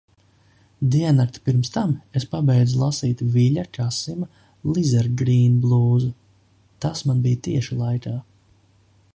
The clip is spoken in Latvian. Diennakti pirms tam es pabeidzu lasīt Viļa Kasima "Lizergīnblūzu". Tas man bija tieši laikā.